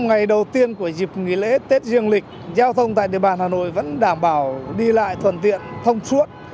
ngày đầu tiên của dịp nghỉ lễ tết dương lịch giao thông tại địa bàn hà nội vẫn đảm bảo đi lại thuận tiện thông suốt